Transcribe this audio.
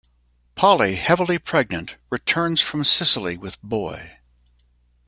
Polly, heavily pregnant, returns from Sicily with Boy.